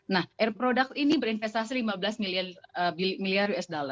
nah air product ini berinvestasi lima belas miliar usd